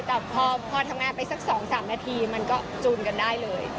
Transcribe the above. แต่พอทำงานไปสัก๒๓นาทีมันก็จูนกันได้เลย